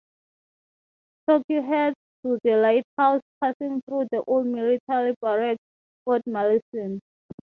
Torque heads to the lighthouse, passing through the old military barracks, Fort Maleson.